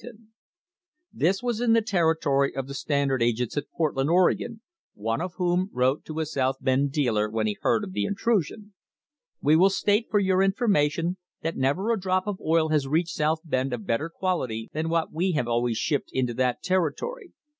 THE HISTORY OF THE STANDARD OIL COMPANY This was in the territory of the Standard agents at Portland, Oregon, one of whom wrote to a South Bend dealer when he heard of the intrusion : "We will state for your information that never a drop of oil has reached South Bend of better quality than what we have always shipped into that territory.